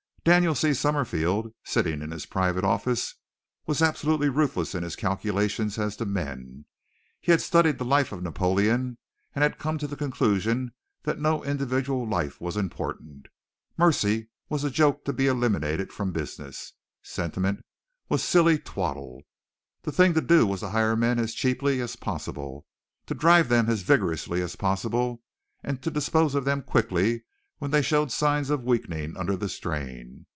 Daniel C. Summerfield, sitting in his private office, was absolutely ruthless in his calculations as to men. He had studied the life of Napoleon and had come to the conclusion that no individual life was important. Mercy was a joke to be eliminated from business. Sentiment was silly twaddle. The thing to do was to hire men as cheaply as possible, to drive them as vigorously as possible, and to dispose of them quickly when they showed signs of weakening under the strain.